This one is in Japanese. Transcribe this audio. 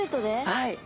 はい。